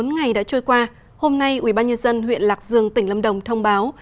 một mươi bốn ngày đã trôi qua hôm nay ubnd huyện lạc dương tỉnh lâm đồng thông báo